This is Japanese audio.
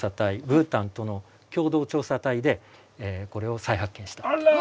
ブータンとの共同調査隊でこれを再発見した。